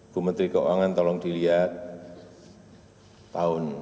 bumetri keuangan tolong dilihat